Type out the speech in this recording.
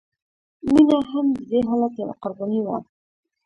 مینه هم د دې حالت یوه قرباني وه